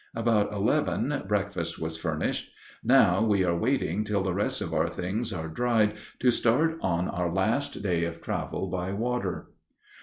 About eleven breakfast was furnished. Now we are waiting till the rest of our things are dried to start on our last day of travel by water.